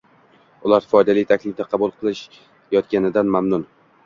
Ular foydali taklifni qabul qilishayotganidan mamnun.